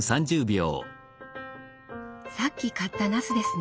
さっき買ったなすですね。